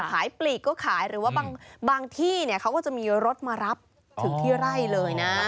ปลีกก็ขายหรือว่าบางที่เนี่ยเขาก็จะมีรถมารับถึงที่ไร่เลยนะ